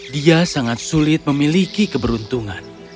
dia sangat sulit memiliki keberuntungan